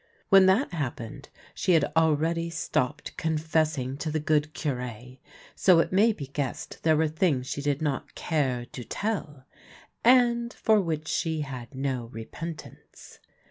When that happened she had already stopped con fessing to the good Cure ; so it may be guessed there were things she did not care to tell, and for which she had no repentance.